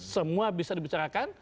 semua bisa dibicarakan